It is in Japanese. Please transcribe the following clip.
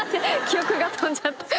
記憶が飛んじゃった。